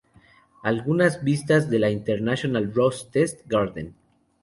Algunas vistas de la ""International Rose Test Garden"".